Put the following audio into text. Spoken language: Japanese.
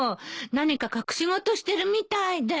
何か隠し事してるみたいで。